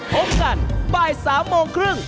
พบกันบ่าย๓โมงครึ่ง